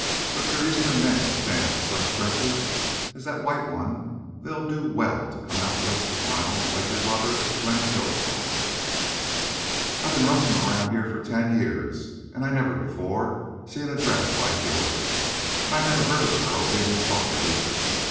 But if your Eastern men stand for such dresses as thet white one they'd do well to come out West awhile, like your lover, Glenn Kilbourne. I've been rustlin' round here ten years, an' I never before seen a dress like yours—an' I never heerd of a girl bein' insulted, either.